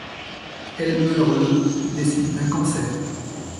Elle meurt le des suites d'un cancer.